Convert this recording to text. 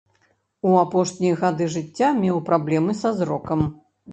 У апошнія гады жыцця меў праблемы са зрокам.